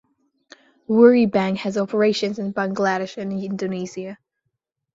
Woori Bank has operations in Bangladesh and in Indonesia.